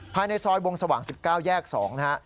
ภายในซอยวงสว่าง๑๙แยก๒นะฮะ